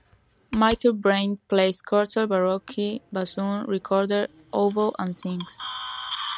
Michael Brain plays curtal, baroque bassoon, recorder, oboe and sings.